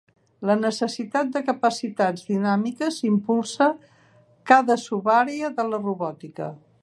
La necessitat de capacitats dinàmiques impulsa cada subàrea de la robòtica.